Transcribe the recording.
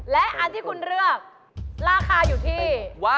และอันที่คุณเลือกราคาอยู่ที่